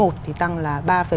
thì tăng là ba bảy mươi bảy